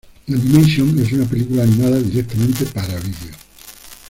Animation, es una película animada directamente para vídeo.